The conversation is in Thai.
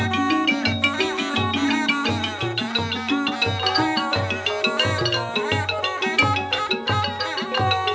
โปรดติดตามตอนต่อไป